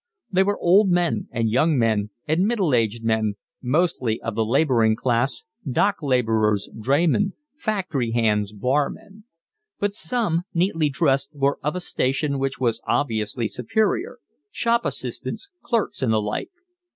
They were old men and young men and middle aged men, mostly of the labouring class, dock labourers, draymen, factory hands, barmen; but some, neatly dressed, were of a station which was obviously superior, shop assistants, clerks, and the like.